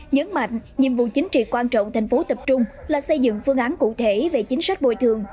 nhấn mạnh nhiệm vụ chính trị quan trọng tp hcm là xây dựng phương án cụ thể về chính sách bồi thường